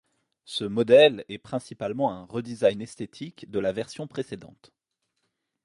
Ce modèle est principalement un redesign esthétique de la version précédente.